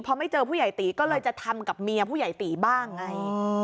พอไม่เจอผู้ใหญ่ตีก็เลยจะทำกับเมียผู้ใหญ่ตีบ้างไง